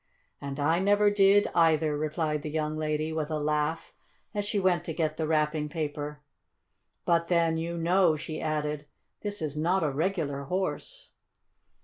"And I never did, either," replied the young lady, with a laugh, as she went to get the wrapping paper. "But then you know," she added, "this is not a regular horse."